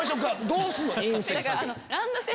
どうするの？